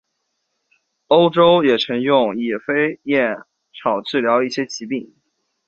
欧洲也曾用野飞燕草治疗一些疾病。